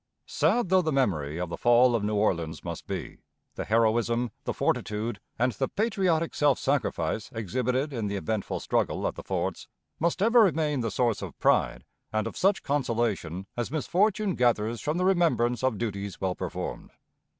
Sad though the memory of the fall of New Orleans must be, the heroism, the fortitude, and the patriotic self sacrifice exhibited in the eventful struggle at the forts must ever remain the source of pride and of such consolation as misfortune gathers from the remembrance of duties well performed.